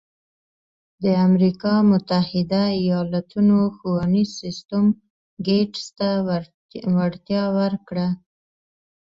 د امریکا متحده ایالتونو ښوونیز سیستم ګېټس ته وړتیا ورکړه.